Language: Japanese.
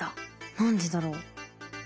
何でだろう？